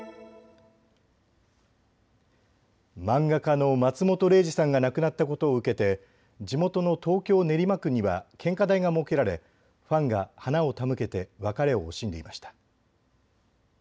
漫画家の松本零士さんが亡くなったことを受けて地元の東京練馬区には献花台が設けられ、ファンが花を手向けて別れを惜しんでいました。